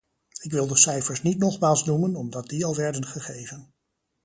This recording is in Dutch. Ik wil de cijfers niet nogmaals noemen, omdat die al werden gegeven.